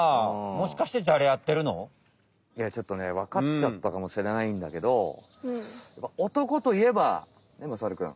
いやちょっとねわかっちゃったかもしれないんだけどねっまさるくん。